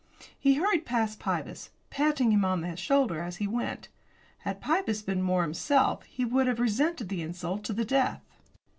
He hurried past Pybus, patting him on the shoulder as he went. Had Pybus been more himself he would have resented the insult to the death.